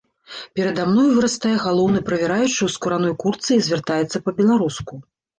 Перада мною вырастае галоўны правяраючы ў скураной куртцы і звяртаецца па-беларуску.